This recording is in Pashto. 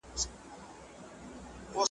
د لویې جرګي غړي کله خپلو ولایتونو ته ستنیږي؟